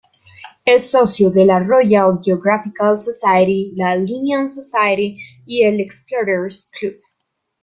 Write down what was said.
Es socio de la Royal Geographical Society, la Linnean Society, y el Explorers Club.